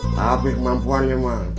tapi kemampuannya mak